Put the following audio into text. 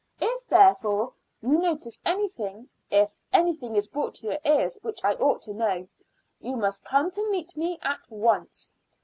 If, therefore, you notice anything if anything is brought to your ears which I ought to know you must come to me at once.